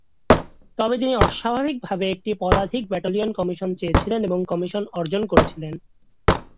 তবে, তিনি অস্বাভাবিকভাবে একটি পদাতিক ব্যাটালিয়নে কমিশন চেয়েছিলেন এবং কমিশন অর্জন করেছিলেন।